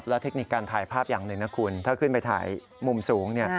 และเทคนิคการถ่ายภาพอย่างหนึ่งนะคุณถ้าขึ้นไปถ่ายมุมสูง